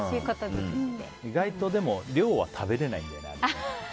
意外と量は食べれないんだよね。